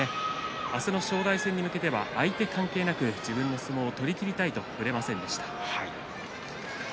明日の正代戦に向けては相手関係なく自分の相撲を取りきりたいと言っていました。